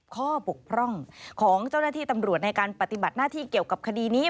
บกพร่องของเจ้าหน้าที่ตำรวจในการปฏิบัติหน้าที่เกี่ยวกับคดีนี้